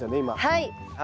はい！